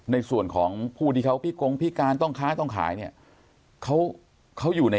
ในส่วนของผู้ที่เขาพี่กงพี่การต้องค้าต้องขายเนี่ย